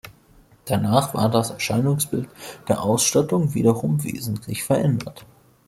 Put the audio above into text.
Danach war das Erscheinungsbild der Ausstattung wiederum wesentlich verändert.